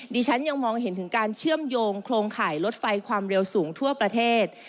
ดิฉันยังมองเห็นถึงการเชื่อมโยงโครงข่ายรถไฟความเร็วสูงทั่วประเทศ